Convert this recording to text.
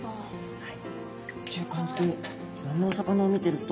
はい。